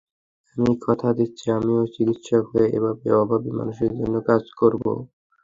আমি কথা দিচ্ছি, আমিও চিকিৎসক হয়ে এভাবে অভাবী মানুষের জন্য কাজ করব।